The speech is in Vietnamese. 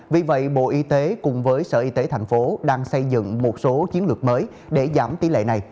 vì vậy bộ y tế cùng với sở y tế thành phố đang xây dựng một số chiến lược mới để giảm tỷ lệ này